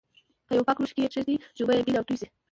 په یوه پاک لوښي کې یې کېږدئ چې اوبه یې بېلې او توی شي.